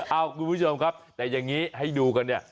คุณผู้ชมครับแต่อย่างนี้ให้ดูกันเนี่ย